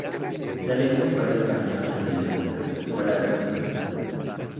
Se le hizo un breve cameo en la película "Escuela de rock".